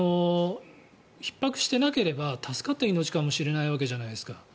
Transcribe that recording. ひっ迫していなければ助かった命かもしれないわけじゃないですか。